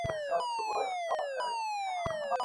সুন্দর হয়েছে, তানি!